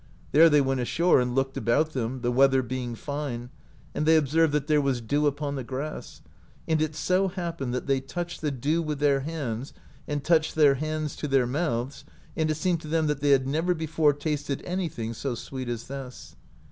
There they went ashore and looked about them, the weather being fine, and they observed that there was dew upon the grass^ and it so happened that they touched the dew with their hands, and touched their Iiands to their mouths, and it seemed to them that they had never before tasted anything so sweet as this.